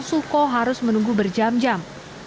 suko harus menunggu berjam jam